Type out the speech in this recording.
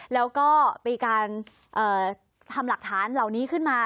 แล้วก็มีการทำหลักฐานเหล่านี้ขึ้นมา